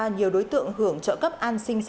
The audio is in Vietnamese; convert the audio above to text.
nhiều đối tượng hưởng trợ tài khoản ngân hàng bị lừa đảo